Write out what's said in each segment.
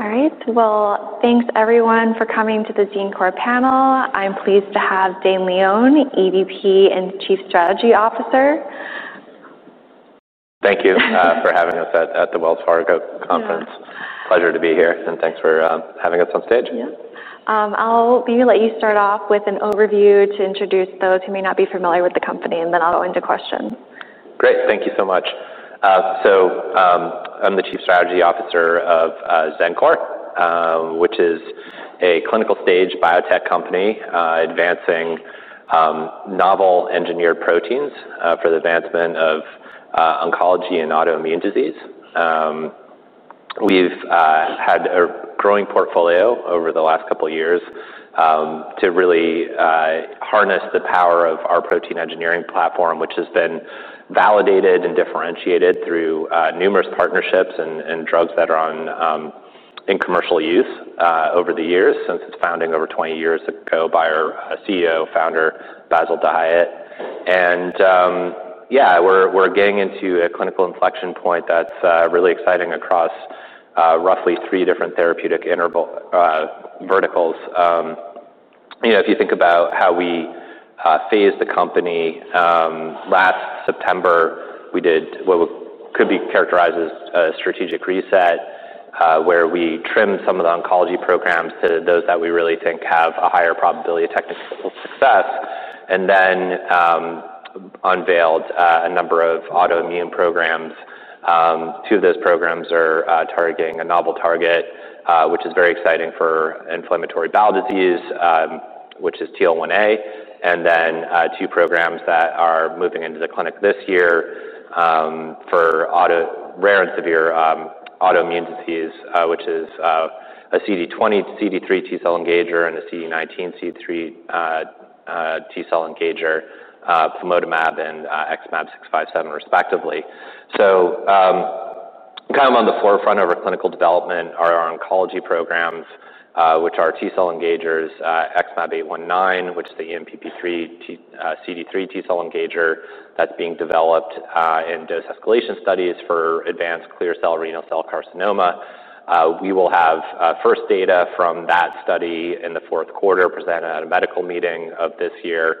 All right. Well, thanks, everyone, for coming to the Xencor panel. I'm pleased to have Dane Leone, EVP and Chief Strategy Officer. Thank you for having us at the Wells Fargo Conference. Pleasure to be here, and thanks for having us on stage. I'll let you start off with an overview to introduce those who may not be familiar with the company and then I'll go into questions. Great, thank you so much. So I'm the Chief Strategy Officer of Zenkor, which is a clinical stage biotech company advancing novel engineered proteins for the advancement of oncology and autoimmune disease. We've had a growing portfolio over the last couple of years to really harness the power of our protein engineering platform, which has been validated and differentiated through numerous partnerships and drugs that are on in commercial use over the years since its founding over twenty years ago by our CEO, Founder, Basil Dahyatt. And yes, we're getting into a clinical inflection point that's really exciting across roughly three different therapeutic verticals. If you think about how we phase the company, last September, we did what could be characterized as a strategic reset, where we trimmed some of the oncology programs to those that we really think have a higher probability of success and then unveiled a number of autoimmune programs. Two of those programs are targeting a novel target, which is very exciting for inflammatory bowel disease, which is TL1a and then two programs that are moving into the clinic this year for rare and severe autoimmune disease, which is a CD20, CD3 T cell engager and a CD19, CD3 T cell engager, pimetamab and XmAb657 respectively. So kind of on the forefront of our clinical development are our oncology programs, which are T cell engagers, XmAb819, which is the EMPP3 CD3 T cell engager that's being developed in dose escalation studies for advanced clear cell renal cell carcinoma. We will have first data from that study in the fourth quarter presented at a medical meeting of this year.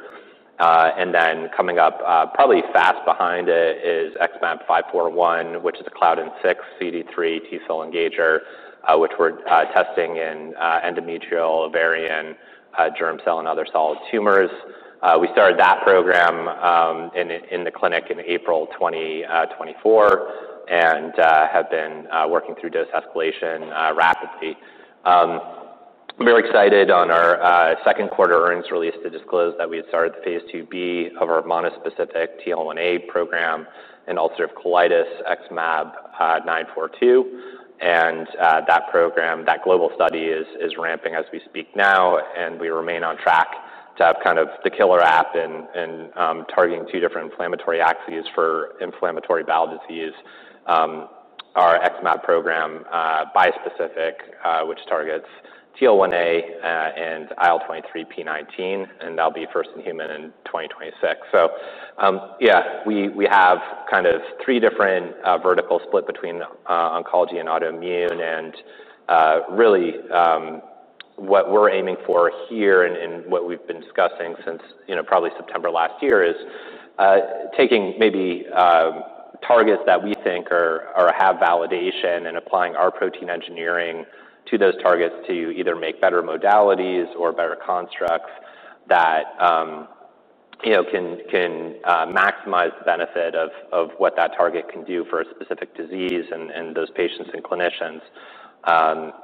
And then coming up probably fast behind it is XmAb541, which is a Cloudin-six CD3 T cell engager, which we're testing in endometrial, ovarian, germ cell and other solid tumors. We started that program in the clinic in April 2024 and have been working through dose escalation rapidly. I'm very excited on our second quarter earnings release to disclose that we had started the Phase 2b of our monospecific TL1a program in ulcerative colitis, XmAb942. And that program, that global study is ramping as we speak now, and we remain on track to have kind of the killer app in targeting two different inflammatory axes for inflammatory bowel disease. Our XmAb program, bispecific, which targets TL1A and IL-23P19, and that'll be first in human in 2026. So yes, we have kind of three different verticals split between oncology and autoimmune. And really, what we're aiming for here and what we've been discussing since probably September is taking maybe targets that we think are have validation and applying our protein engineering to those targets to either make better modalities or better constructs that can maximize the benefit of what that target can do for a specific disease and those patients and clinicians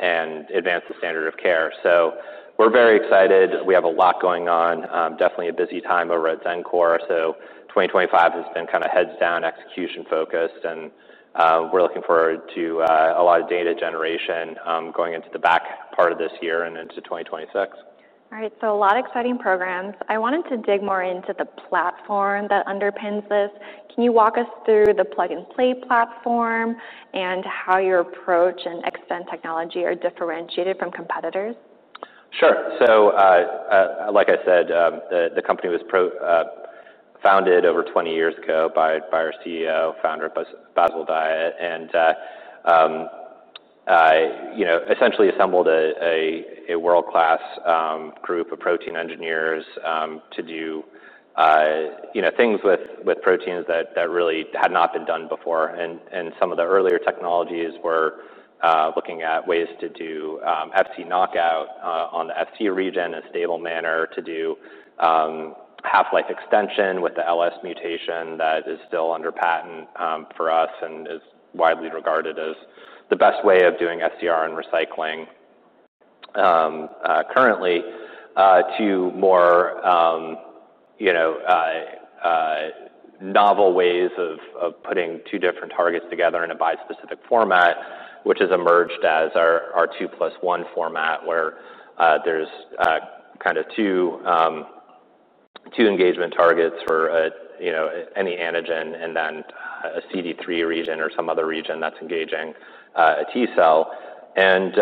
and advance the standard of care. So we're very excited. We have a lot going on, definitely a busy time over at Zencore. So 2025 has been kind of heads down, execution focused, and we're looking forward to a lot of data generation going into the back part of this year and into 2026. All right. So a lot of exciting programs. I wanted to dig more into the platform that underpins this. Can you walk us through the plug and play platform and how your approach and extend technology are differentiated from competitors? Sure. So like I said, the company was founded over twenty years ago by our CEO, founder of Basil Diet, and essentially assembled a world class group of protein engineers to things with proteins that really had not been done before. And some of the earlier technologies were looking at ways to do Fc knockout on the Fc region in a stable manner to do half life extension with the LS mutation that is still under patent for us and is widely regarded as the best way of doing FCR and recycling currently to more novel ways of putting two different targets together in a bispecific format, which has emerged as our two plus one format, where there's kind of two engagement targets for any antigen and then a CD3 region or some other region that's engaging a T cell. And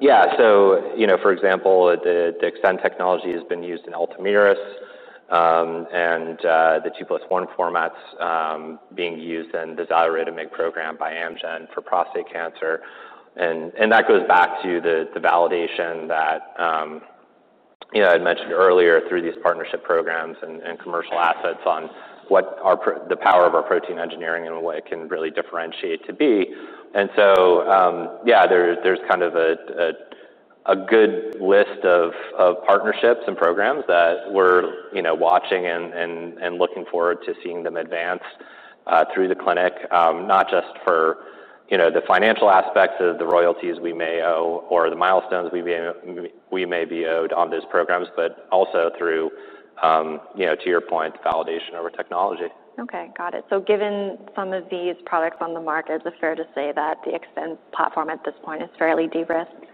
yes, so for example, the Xtend technology has been used in Ultomiris and the two plus one formats being used in the xioridomig program by Amgen for prostate cancer. And that goes back to the validation that I'd mentioned earlier through these partnership programs and commercial assets on what our the power of our protein engineering and what it can really differentiate to be. And so yes, there's kind of a good list of partnerships and programs that we're watching and looking forward to seeing them advance through the clinic, not just for the financial aspects of the royalties we may owe or the milestones we may be owed on those programs, but also through, to your point, validation over technology. Okay. Got it. So given some of these products on the market, is it fair to say that the Xtend platform at this point is fairly derisked?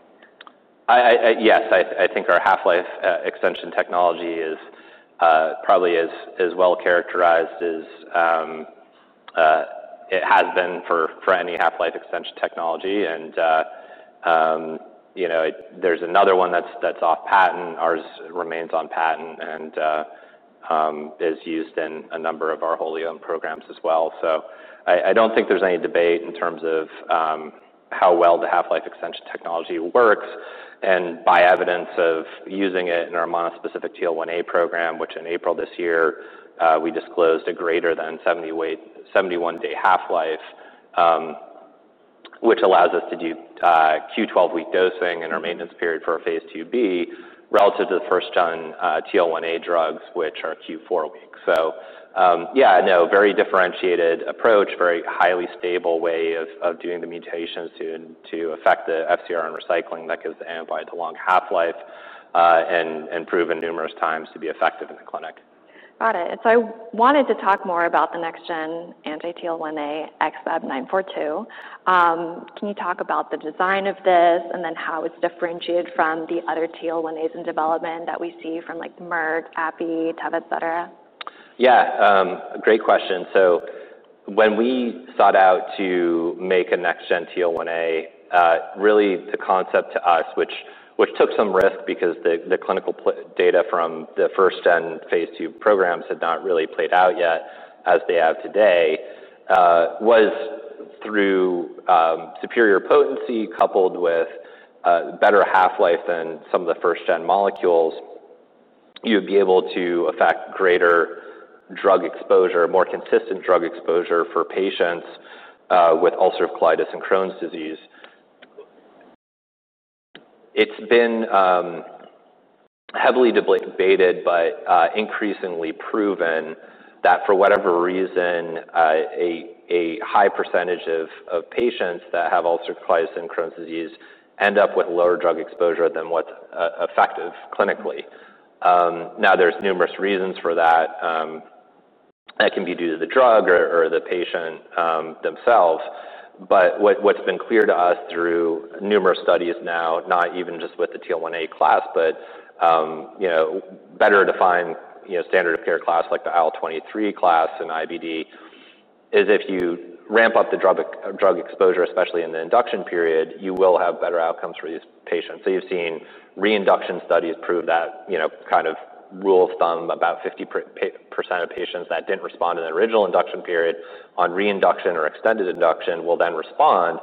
Yes. I think our Half Life extension technology is probably as well characterized as it has been for any Half Life extension technology. And there's another one that's off patent. Ours remains on patent and is used in a number of our wholly owned programs as well. So I don't think there's any debate in terms of how well the half life extension technology works. And by evidence of using it in our monospecific TL1a program, which in April, we disclosed a greater than seventy one day half life, which allows us to do Q12 week dosing and our maintenance period for a Phase IIb relative to the first gen TL1a drugs, which are Q4 weeks. So yes, no, very differentiated approach, very highly stable way of doing the mutations to affect the FcRn recycling that gives the ampide to long half life and proven numerous times to be effective in the clinic. Got it. And so I wanted to talk more about the next gen anti TL1A XBAP-nine forty two. Can you talk about the design of this and then how it's differentiated from the other TL1As in development that we see from like Merck, Appy, Teva, etcetera? Yes. Great question. So when we sought out to make a next gen T01a, really, the concept to us, which took some risk because the clinical data from the first gen Phase II programs had not really played out yet as they have today was through superior potency coupled with better half life than some of the first gen molecules, you'd be able to affect greater drug exposure, more consistent drug exposure for patients with ulcerative colitis and Crohn's disease. It's been heavily debated but increasingly proven that for whatever reason, a high percentage of patients that have ulcerative colitis and Crohn's disease end up with lower drug exposure than what's effective clinically. Now there's numerous reasons for that. That can be due to the drug or the patient themselves. But what's been clear to us through numerous studies now, not even just with the TL1a class, but better defined standard of care class like the IL-twenty three class in IBD is if you ramp up the drug exposure, especially in the induction period, you will have better outcomes for these patients. So you've seen reinduction studies prove that kind of rule of thumb about fifty percent of patients that didn't respond to the original induction period on reinduction or extended induction will then respond.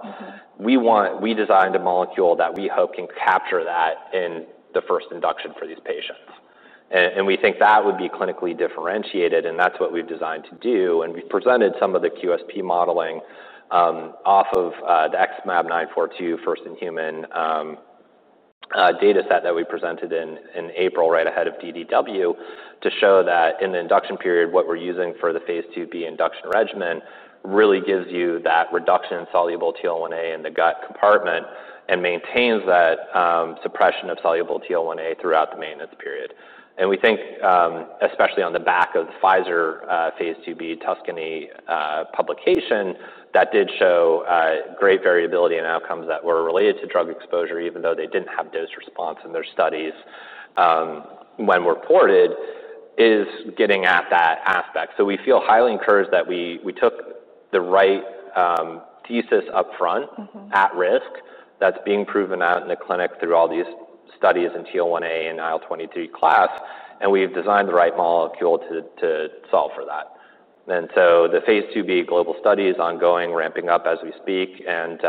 We want we designed a molecule that we hope can capture that in the first induction for these patients. And we think that would be clinically differentiated, and that's what we've designed to do. And we presented some of the QSP modeling off of the XmAb942 first in human dataset that we presented in April right ahead of DDW to show that in the induction period, what we're using for the Phase IIb induction regimen really gives you that reduction in soluble TL1a in the gut compartment and maintains that suppression of soluble TL1a throughout the maintenance period. And we think, especially on the back of Pfizer Phase 2b Tuscany publication, that did show great variability in outcomes that were related to drug exposure even though they didn't have dose response in their studies when reported is getting at that aspect. So we feel highly encouraged that we took the right thesis upfront at risk. That's being proven out in the clinic through all these studies in TL1A and IL-twenty three class, and we've designed the right molecule to solve for that. And so the Phase IIb global study is ongoing, ramping up as we speak, and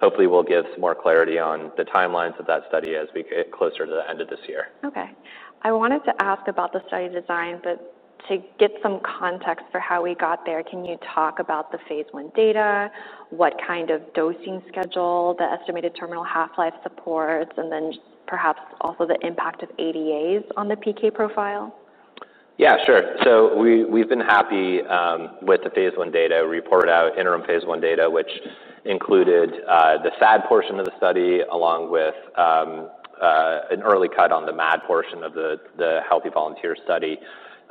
hopefully, we'll give some more clarity on the timelines of that study as we get closer to the end of this year. Okay. I wanted to ask about the study design, but to get some context for how we got there, can you talk about the Phase I data? What kind of dosing schedule, the estimated terminal half life supports, and then perhaps also the impact of ADAs on the PK profile? Yes, sure. So we've been happy with the Phase I data. We reported out interim Phase I data, which included the SAD portion of the study along with an early cut on the MAD portion of the healthy volunteer study.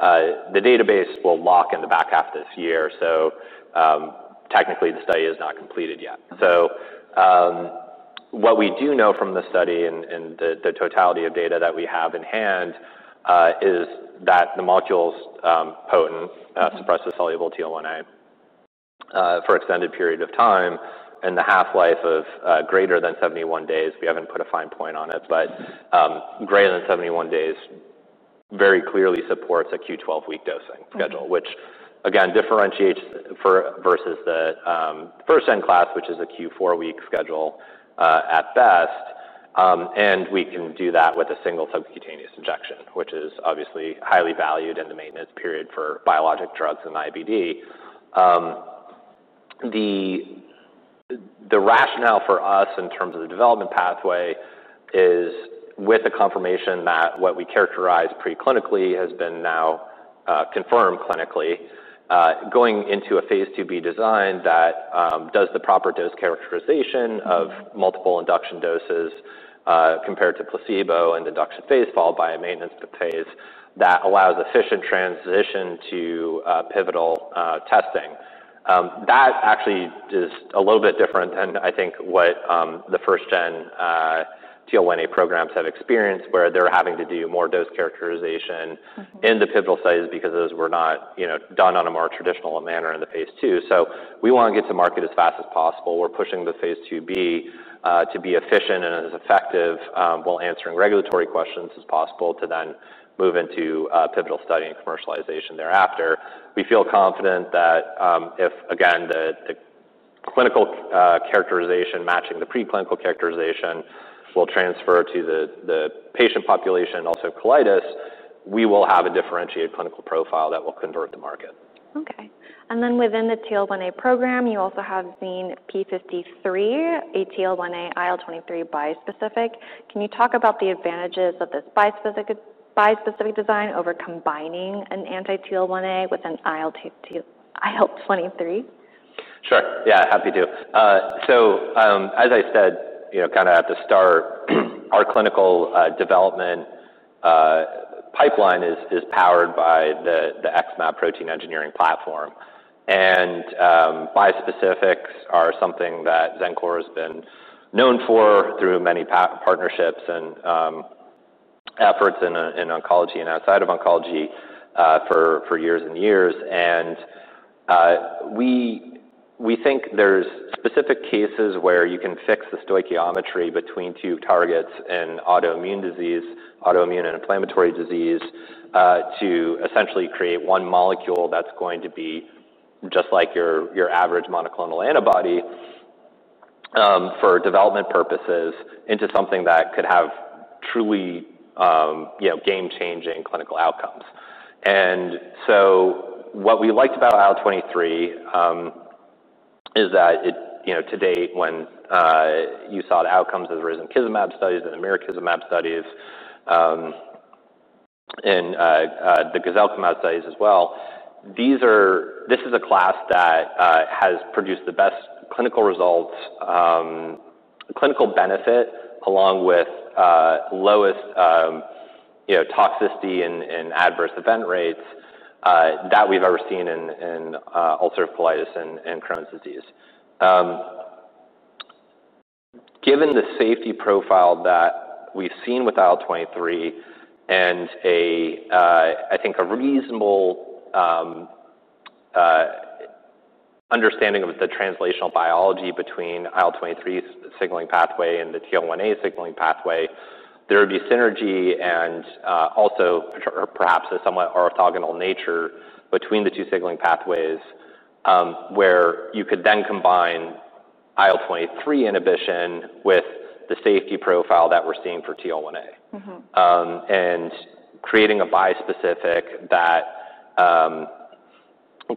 The database will lock in the back half of this year. So technically, the study is not completed yet. So what we do know from the study and the totality of data that we have in hand is that the molecule's potent suppressor soluble TL1A for extended period of time and the half life of greater than seventy one days, we haven't put a fine point on it, but greater than seventy one days very clearly supports a Q12 week dosing schedule, which again differentiates versus the first end class, which is a Q4 week schedule at best. And we can do that with a single subcutaneous injection, which is obviously highly valued in the maintenance period for biologic drugs and IBD. The rationale for us in terms of the development pathway is with the confirmation that what we characterize preclinically has been now confirmed clinically, going into a Phase IIb design that does the proper dose characterization of multiple induction doses compared to placebo and induction phase fall by a maintenance phase that allows efficient transition to pivotal testing. That actually is a little bit different than I think what the first gen TL1a programs have experienced, where they're having to do more dose characterization in the pivotal studies because those were not done on a more traditional manner in the Phase II. So we want to get to market as fast as possible. We're pushing the Phase IIb to be efficient and as effective while answering regulatory questions as possible to then move into pivotal study and commercialization thereafter. We feel confident that if, again, the clinical characterization matching the preclinical characterization will transfer to the patient population and also colitis, we will have a differentiated clinical profile that will convert the market. Okay. And then within the TL1a program, you also have seen p53, a TL1a, IL-twenty three bispecific. Can you talk about the advantages of this bispecific design over combining an anti TL1a with an IL-twenty three? Sure. Yes, happy to. So as I said, kind of at the start, our clinical development pipeline is powered by the XmAb protein engineering platform. And bispecifics are something that Xencor has been known for through many partnerships and efforts in oncology and outside of oncology for years and years. And we think there's specific cases where you can fix the stoichiometry between two targets in autoimmune disease autoimmune and inflammatory disease to essentially create one molecule that's going to be just like your average monoclonal antibody for development purposes into something that could have truly game changing clinical outcomes. And so what we liked about IL-twenty three is that it to date, when you saw the outcomes of the risankizumab studies and emirikizumab studies and the gazelkumab studies as well. These are this is a class that has produced the best clinical results clinical benefit along with lowest toxicity and adverse event rates that we've ever seen in ulcerative colitis and Crohn's disease. Given the safety profile that we've seen with IL-twenty three and a I think a reasonable understanding of the translational biology between IL-twenty three signaling pathway and the TL1A signaling pathway, there would be synergy and also perhaps a somewhat orthogonal nature between the two signaling pathways where you could then combine IL-twenty three inhibition with the safety profile that we're seeing for TL1A And creating a bispecific that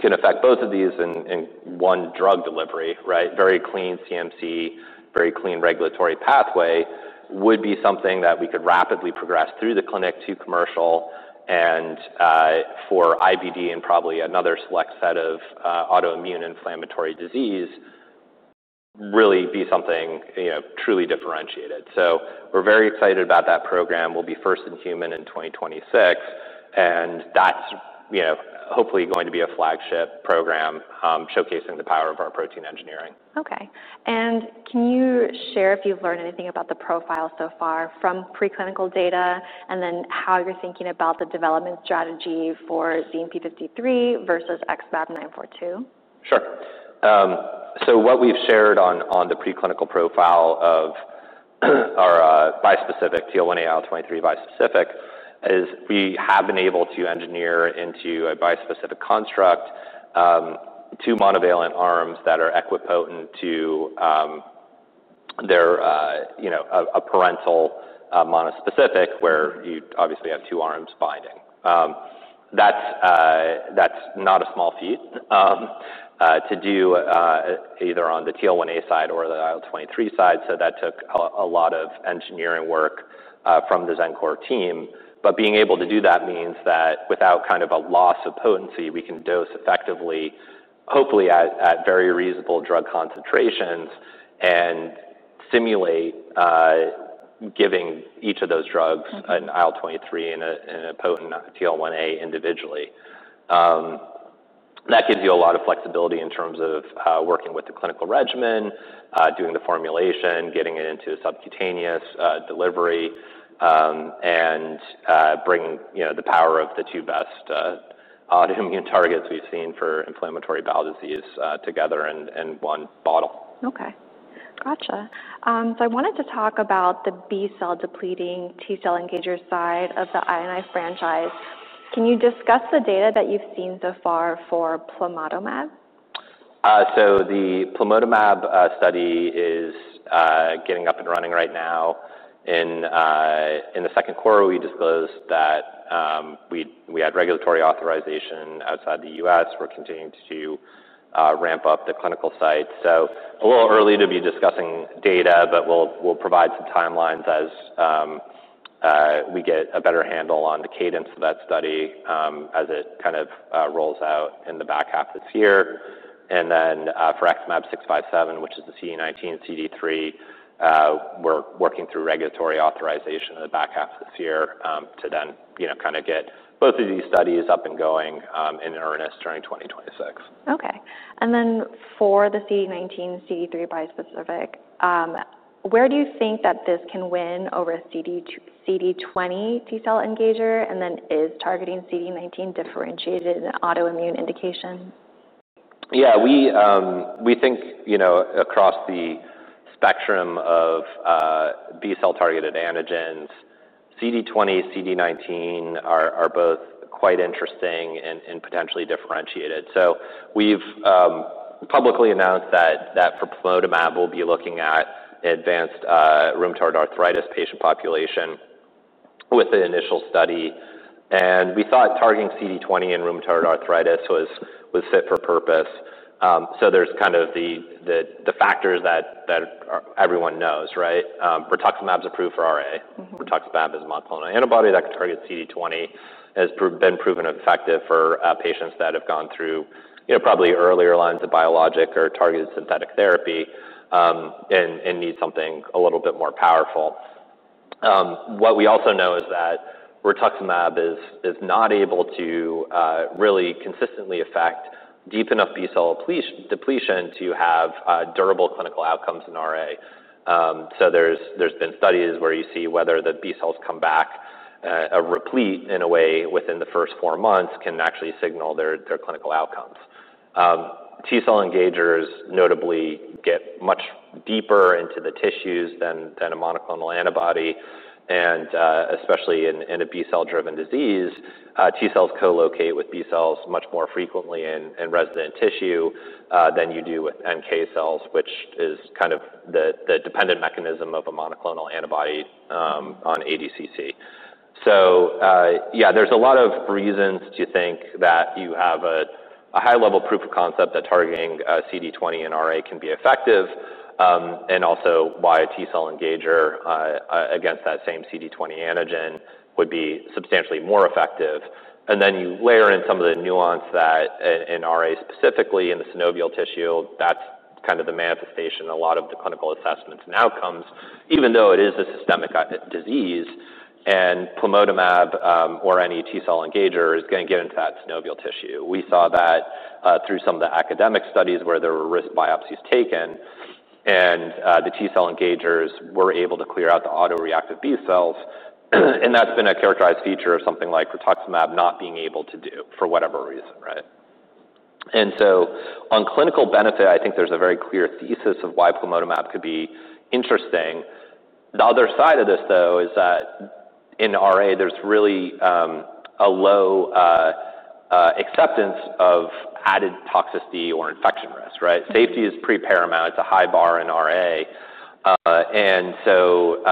can affect both of these in one drug delivery, right, very clean CMC, very clean regulatory pathway would be something that we could rapidly progress through the clinic to commercial and for IBD and probably another select set of autoimmune inflammatory disease, really be something truly differentiated. So we're very excited about that program. We'll be first in human in 2026. And that's hopefully going to be a flagship program showcasing the power of our protein engineering. Okay. And can you share if you've learned anything about the profile so far from preclinical data? And then how you're thinking about the development strategy for ZNP53 versus XmAb942? Sure. So what we've shared on the preclinical profile of our bispecific, TL1A IL-twenty three bispecific, is we have been able to engineer into a bispecific construct two monovalent arms that are equipotent to their a parental monospecific where you obviously have two arms binding. That's not a small feat to do either on the TL1a side or the IL-twenty three side. So that took a lot of engineering work from the Xencor team. But being able to do that means that without kind of a loss of potency, we can dose effectively, hopefully at very reasonable drug concentrations, and simulate giving each of those drugs an IL-twenty three and a potent TL1A individually. That gives you a lot of flexibility in terms of working with the clinical regimen, doing the formulation, getting it into subcutaneous delivery and bringing the power of the two best autoimmune targets we've seen for inflammatory bowel disease together in one bottle. Okay. Got you. So I wanted to talk about the B cell depleting T cell engager side of the INI franchise. Can you discuss the data that you've seen so far for plamotamab? So the plamotamab study is getting up and running right now. In the second quarter, we disclosed that had regulatory authorization outside The U. S. We're continuing to ramp up the clinical sites. So a little early to be discussing data, but we'll provide some time lines as we get a better handle on the cadence of that study as it kind of rolls out in the back half of this year. And then for XmAb657, which is the CD19 and CD3, we're working through regulatory authorization in the back half of this year to then kind of get both of these studies up and going in earnest during 2026. Okay. And then for the CD19CD3 bispecific, where do you think that this can win over CD20 T cell engager? And then is targeting CD19 differentiated in autoimmune indications? Yeah. We think, you know, across the spectrum of B cell targeted antigens, CD20, CD19 are both quite interesting and potentially differentiated. So we've publicly announced that for piplotamab, we'll be looking at advanced rheumatoid arthritis patient population with the initial study. And we thought targeting CD20 in rheumatoid arthritis was fit for purpose. So there's kind of the factors that everyone knows, right? Rituximab is approved for RA. Rituximab is monoclonal antibody that could target CD20, has been proven effective for patients that have gone through probably earlier lines of biologic or targeted synthetic therapy and need something a little bit more powerful. What we also know is that rituximab is not able to really consistently affect deep enough B cell depletion to have durable clinical outcomes in RA. So there's been studies where you see whether the B cells come back replete in a way within the first four months can actually signal their clinical outcomes. T cell engagers notably get much deeper into the tissues than a monoclonal antibody. And especially in a B cell driven disease, T cells co locate with B cells much more frequently in resident tissue than you do with NK cells, which is kind of the dependent mechanism of a monoclonal antibody on ADCC. So yes, there's a lot of reasons to think that you have a high level proof of concept that targeting CD20 and RA can be effective and also why a T cell engager against that same CD20 antigen would be substantially more effective. And then you layer in some of the nuance that in RA specifically in the synovial tissue, that's kind of the manifestation a lot of the clinical assessments and outcomes, even though it is a systemic disease. And plamotamab or any T cell engager is going get into that synovial tissue. We saw that through some of the academic studies where there were risk biopsies taken. And the T cell engagers were able to clear out the autoreactive B cells. And that's been a characterized feature of something like rituximab not being able to do for whatever reason, right? And so on clinical benefit, I think there's a very clear thesis of why pimetomab could be interesting. The other side of this, though, is that in RA, there's really a low acceptance of added toxicity or infection risk, right? Safety is pretty paramount. It's a high bar in RA. And so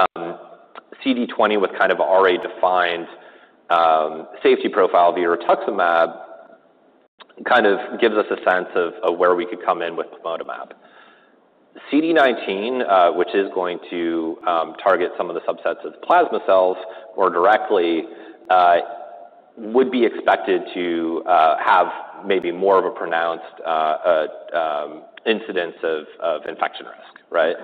CD20 with kind of RA defined safety profile of rituximab kind of gives us a sense of where we could come in with pipotamab. CD19, which is going to target some of the subsets of plasma cells more directly, would be expected to have maybe more of a pronounced incidence of infection risk, right?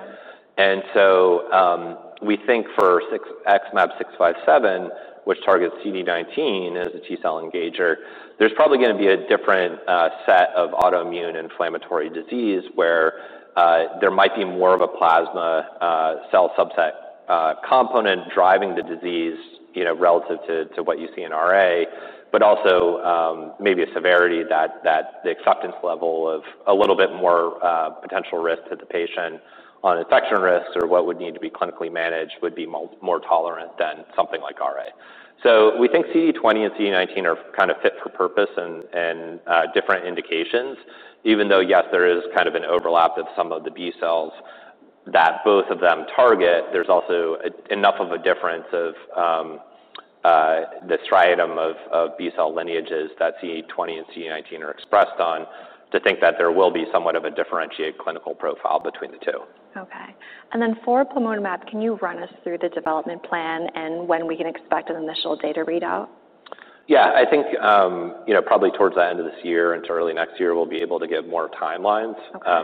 And so we think for XmAb657, which targets CD19 as a T cell engager, there's probably going to be a different set of autoimmune inflammatory disease where there might be more of a plasma cell subset component driving the disease relative to what you see in RA, but also maybe a severity that the acceptance level of a little bit more potential risk to the patient on infection risks or what would need to be clinically managed would be more tolerant than something like RA. So we think CD20 and CD19 are kind of fit for purpose and different indications. Even though, yes, there is kind of an overlap of some of the B cells that both of them target, there's also enough of a difference of the striatum of B cell lineages that CD20 and CD19 are expressed on to think that there will be somewhat of a differentiated clinical profile between the two. Okay. And then for pimonimab, can you run us through the development plan and when we can expect an initial data readout? Yes. I think probably towards the end of this year and to early next year, we'll be able to give more time lines.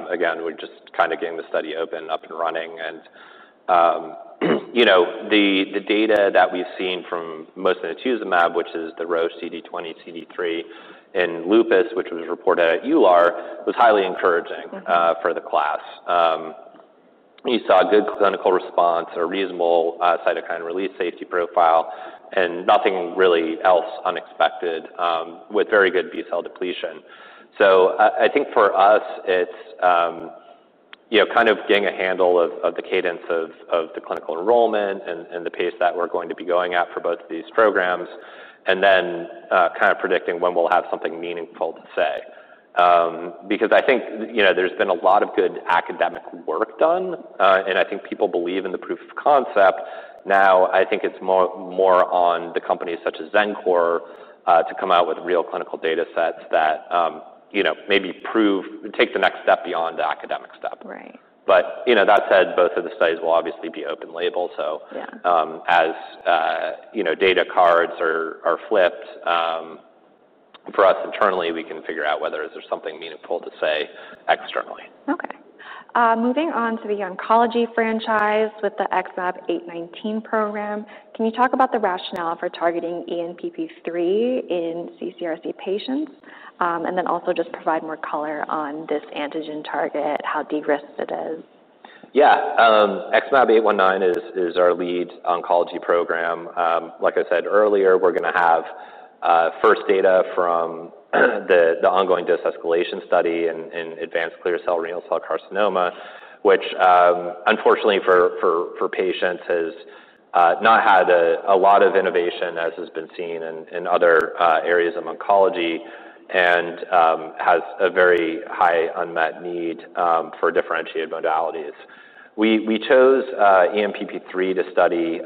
Again, we're just kind of getting the study open, up and running. And the data that we've seen from muslinetuzumab, which is the Roche CD20, CD3 in lupus, which was reported at EULAR, was highly encouraging for the class. You saw a good clinical response, a reasonable cytokine release safety profile and nothing really else unexpected with very good B cell depletion. So I think for us, it's kind of getting a handle of the cadence of the clinical enrollment and the pace that we're going to be going at for both of these programs and then kind of predicting when we'll have something meaningful to say. Because I think there's been a lot of good academic work done, and I think people believe in the proof of concept. Now I think it's more on the companies such as Zencore to come out with real clinical data sets that maybe prove take the next step beyond the academic step. But you know, that said, both of the studies will obviously be open label. As, you know, data cards are flipped, for us internally, we can figure out whether is there something meaningful to say externally. Okay. Moving on to the oncology franchise with the XmAb819 program, can you talk about the rationale for targeting ENPP3 in CCRC patients? And then also just provide more color on this antigen target, how de risked it is. Yes. XmAb819 is our lead oncology program. Like I said earlier, we're going to have first data from the ongoing dose escalation study in advanced clear cell renal cell carcinoma, which unfortunately for patients has not had a lot of innovation as has been seen in other areas of oncology and has a very high unmet need for differentiated modalities. We chose ENPP3 to study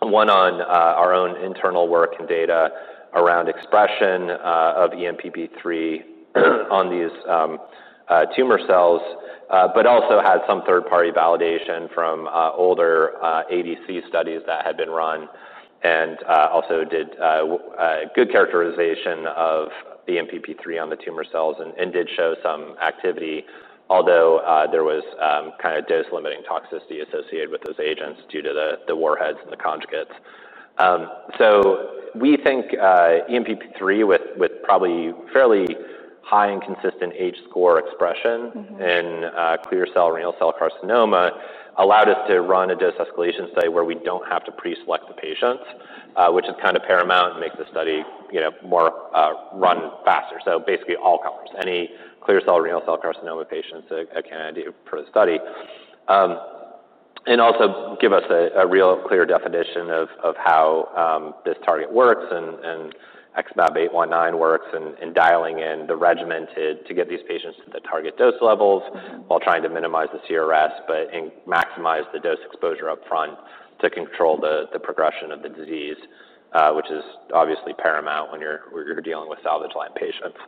one on our own internal work and data around expression of EMPP3 on these tumor cells, but also had some third party validation from older ADC studies that had been run and also did good characterization of the MPP3 on the tumor cells and did show some activity, although there was kind of dose limiting toxicity associated with those agents due to the warheads and the conjugates. So we think ENP3 with probably fairly high and consistent age score expression in clear cell renal cell carcinoma allowed us to run a dose escalation study where we don't have to preselect the patients, which is kind of paramount and makes the study more run faster. So basically all comers, any clear cell renal cell carcinoma patients can ID for the study. And also give us a real clear definition of how this target works and XBAP-eight nineteen works and dialing in the regimen to get these patients to the target dose levels while trying to minimize the CRS, but maximize the dose exposure upfront to control the progression of the disease, which is obviously paramount when you're dealing with salvage line patients.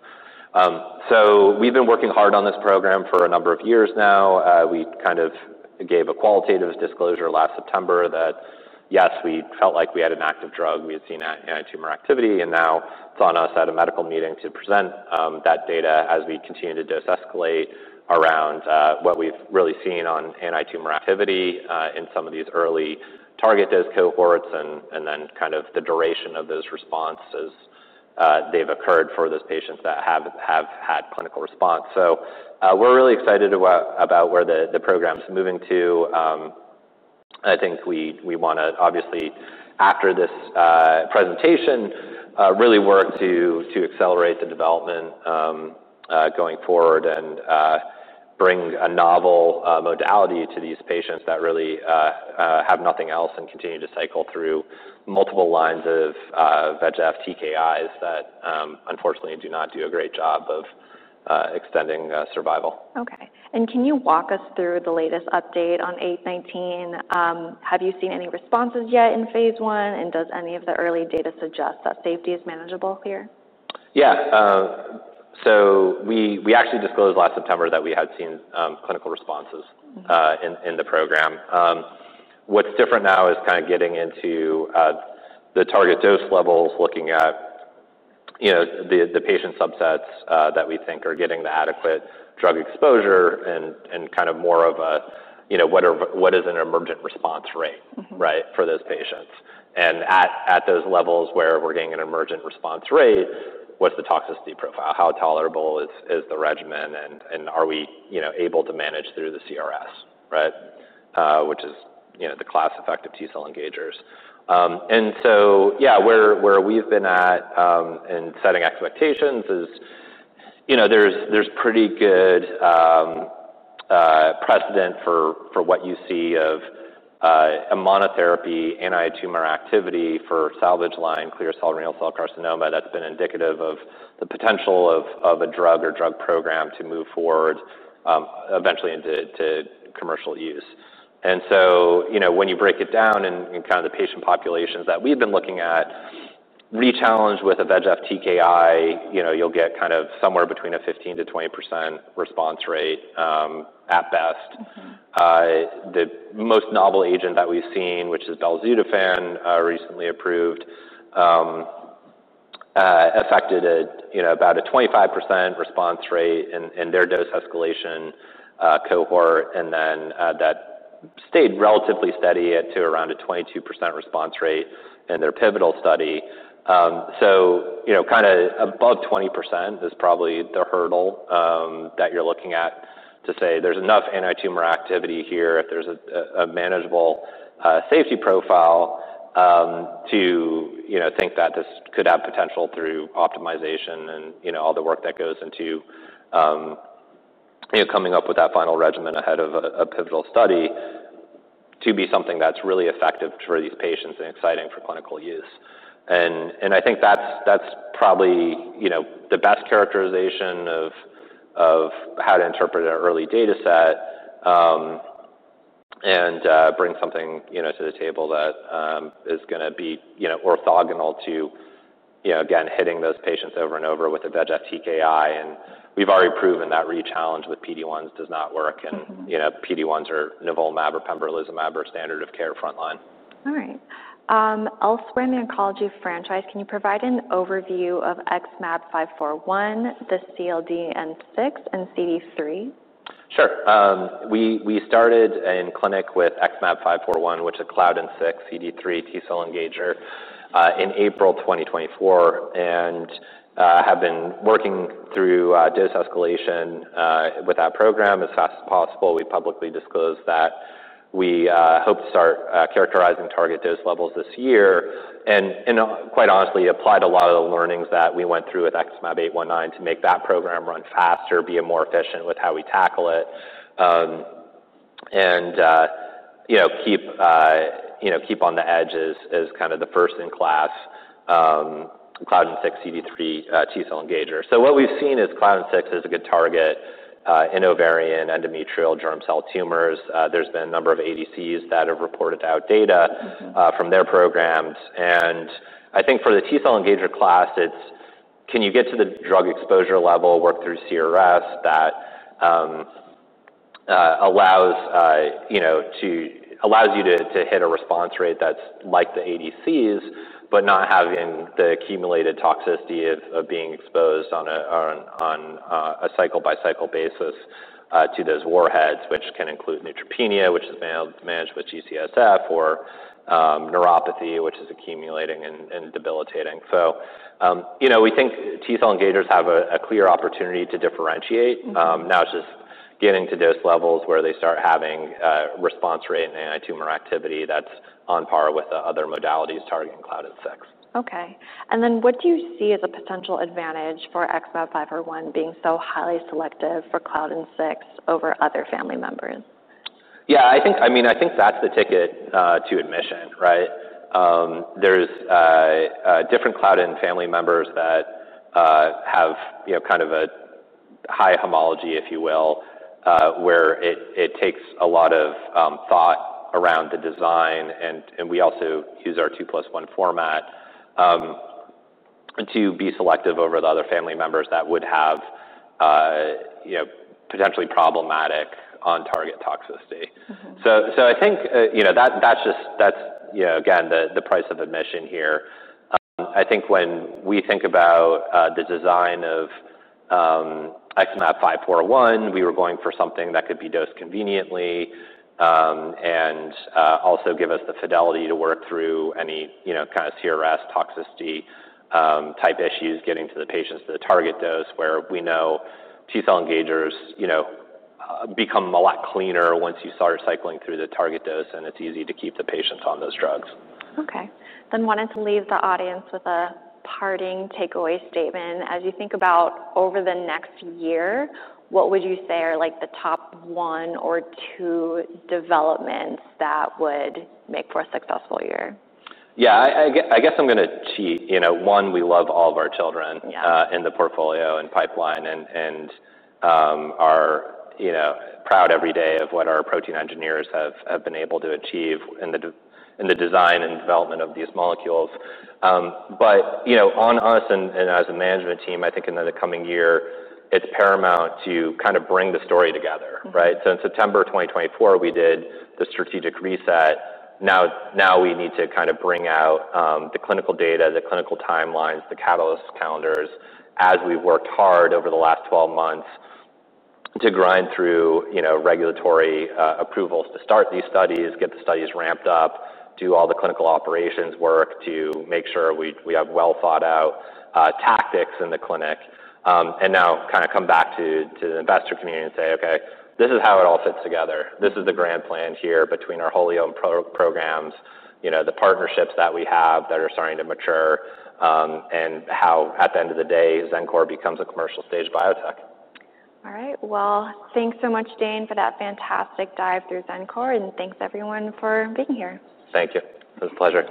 So we've been working hard on this program for a number of years now. We kind of gave a qualitative disclosure last September that, yes, we felt like we had an active drug. We had seen anti tumor activity. And now it's on us at a medical meeting to present that data as we continue to dose escalate around what we've really seen on anti tumor activity in some of these early target dose cohorts and then kind of the duration of those responses they've occurred for those patients that have had clinical response. So we're really excited about where the program is moving to. I think we want to obviously, after this presentation, really work to accelerate the development going forward and bring a novel modality to these patients that really have nothing else and continue to cycle through multiple lines of VEGF TKIs that unfortunately do not do a great job of extending survival. Okay. And can you walk us through the latest update on 08/19? Have you seen any responses yet in Phase I? And does any of the early data suggest that safety is manageable here? Yes. So we actually disclosed last September that we had seen clinical responses in the program. What's different now is kind of getting into the target dose levels, looking at the patient subsets that we think are getting the adequate drug exposure and kind of more of what is an emergent response rate, right, for those patients. And at those levels where we're getting an emergent response rate, what's the toxicity profile? How tolerable is the regimen? And are we able to manage through the CRS, right, which is the class effect of T cell engagers. And so yes, where we've been at in setting expectations is there's pretty good precedent for what you see of a monotherapy anti tumor activity for salvage line, clear cell renal cell carcinoma that's been indicative of the potential of a drug or drug program to move forward eventually into commercial use. And so when you break it down in kind of the patient populations that we've been looking at, rechallenge with a VEGF TKI, you'll get kind of somewhere between a fifteen percent to twenty percent response rate at best. The most novel agent that we've seen, which is belzutafan recently approved, affected about a twenty five percent response rate in their dose escalation cohort, and then that stayed relatively steady at to around a twenty two percent response rate in their pivotal study. So kind of above twenty percent is probably the hurdle that you're looking at to say there's enough antitumor activity here, if there's a manageable safety profile to think that this could have potential through optimization and all the work that goes into coming up with that final regimen ahead of a pivotal study to be something that's really effective for these patients and exciting for clinical use. And I think that's probably the best characterization of how to interpret an early data set and bring something to the table that is going to be orthogonal to, again, hitting those patients over and over with the VEGF TKI. And we've already proven that rechallenge with PD-1s does not work. And PD-1s or nivolumab or pembrolizumab or standard of care frontline. All right. Elsewhere in the oncology franchise, can you provide an overview of XmAb XmAb541, the CLDN6 and CD3? Sure. We started in clinic with XmAb541, which is a CloudN6 CD3 T cell engager in April 2024 and have been working through dose escalation with that program as fast as possible. We publicly disclosed that. We hope to start characterizing target dose levels this year. And quite honestly, applied a lot of the learnings that we went through with XmAb819 to make that program run faster, be more efficient with how we tackle it and keep on the edge as kind of the first in class CLDN6 CD3 T cell engager. So what we've seen is CLDN6 is a good target in ovarian endometrial germ cell tumors. There's been a number of ADCs that have reported out data from their programs. And I think for the T cell engager class, it's can you get to the drug exposure level, work through CRS that allows you to hit a response rate that's like the ADCs, but not having the accumulated toxicity of being exposed on a cycle by cycle basis to those warheads, which can include neutropenia, which is managed with G CSF or neuropathy, which is accumulating and debilitating. So we think T cell engagers have a clear opportunity to differentiate. Now it's just getting to dose levels where they start having response rate and antitumor activity that's on par with the other modalities targeting Cloud N6. Okay. And then what do you see as a potential advantage for XmAb5R1 being so highly selective for Cloud N6 over other family members? Yes. I think I mean, I think that's the ticket to admission, right? There's different CloudEnd family members that have kind of a high homology, if you will, where it takes a lot of thought around the design, and we also use our two plus one format to be selective over the other family members that would have potentially problematic on target toxicity. So I think that's just that's, again, the price of admission here. I think when we think about the design of XmAb541, we were going for something that could be dosed conveniently and also give us the fidelity to work through any kind of CRS toxicity type issues getting to the patients to the target dose where we know T cell engagers become a lot cleaner once you start cycling through the target dose, and it's easy to keep the patients on those drugs. Okay. Then wanted to leave the audience with a parting takeaway statement. As you think about over the next year, what would you say are like the top one or two developments that would make for a successful year? Yes. I guess I'm going to one, we love all of our children in the portfolio and pipeline and are proud every day of what our protein engineers have been able to achieve in the design and development of these molecules. But on us and as a management team, I think in the coming year, it's paramount to kind of bring the story together, right? So in September 2024, we did the strategic reset. Now we need to kind of bring out the clinical data, the clinical time lines, the catalyst calendars as we worked hard over the last twelve months to grind through regulatory approvals to start these studies, get the studies ramped up, do all the clinical operations work to make sure we have well thought out tactics in the clinic. And now kind of come back to the investor community and say, okay, this is how it all fits together. This is the grand plan here between our wholly owned programs, the partnerships that we have that are starting to mature and how, at the end of the day, Xencor becomes a commercial stage biotech. All right. Well, thanks so much, Dane, for that fantastic dive through Xencor. And thanks, everyone, for being here. Thank you. It was a pleasure.